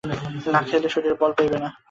না খাইলে শরীরে বল পাইবেন না।